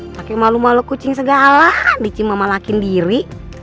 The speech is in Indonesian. pake malu malu kucing segala dicima sama lakin diri